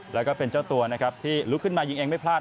แล้วก็เป็นเจ้าตัวนะครับที่ลุกขึ้นมายิงเองไม่พลาด